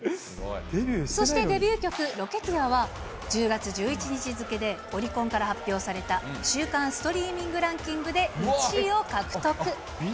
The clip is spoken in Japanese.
そして、デビュー曲、ロケティアは、１０月１１日付けでオリコンから発表された週間ストリーミングランキングで１位を獲得。